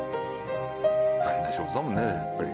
大変な仕事だもんねやっぱり。